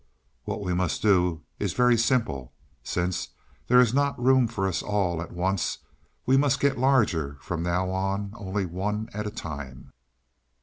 "What we must do is very simple. Since there is not room for us all at once, we must get large from now on only one at a time."